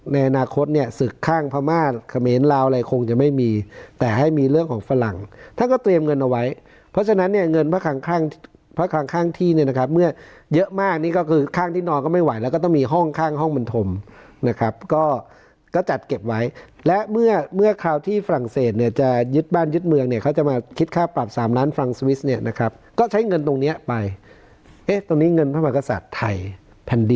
เท็มเงินเอาไว้เพราะฉะนั้นเนี่ยเงินมาข้างข้างเพราะข้างข้างที่เนี่ยนะครับเมื่อเยอะมากนี่ก็คือข้างที่นอนก็ไม่ไหวแล้วก็ต้องมีห้องข้างห้องบรรธมนะครับก็ก็จัดเก็บไว้และเมื่อเมื่อคราวที่ฝรั่งเศสเนี่ยจะยึดบ้านยึดเมืองเนี่ยเขาจะมาคิดค่าปรับ๓ล้านฟรั่งสวิสเนี่ยนะครับก็ใช้เงินตรง